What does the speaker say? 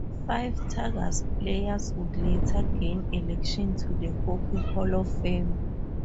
Five Tigers players would later gain election to the Hockey Hall of Fame.